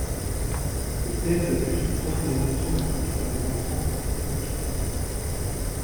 De tels abus sont profondément traumatiques pour les enfants qui y sont impliqués.